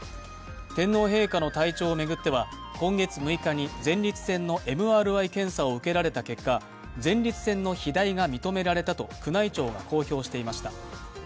天皇陛下の体調を巡っては今月６日に前立腺のＭＲＩ検査を受けられた結果前立腺の肥大が認められたと宮内庁が公表していました。